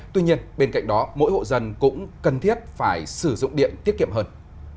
tuy nhiên bên cạnh đó mỗi hộ dân cũng cần thiết phải sử dụng điện tiết kiệm hơn